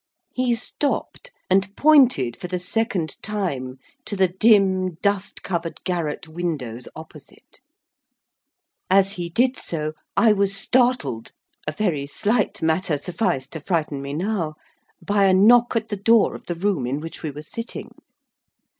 He stopped, and pointed for the second time to the dim, dust covered garret windows opposite. As he did so, I was startled—a very slight matter sufficed to frighten me now—by a knock at the door of the room in which we were sitting.